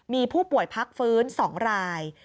มีผู้ป่วยพักฟื้น๒ราย